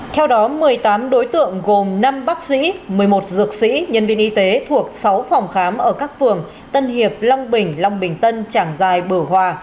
theo đó một mươi tám đối tượng gồm năm bác sĩ một mươi một dược sĩ nhân viên y tế thuộc sáu phòng khám ở các phường tân hiệp long bình long bình tân trảng dài bửu hòa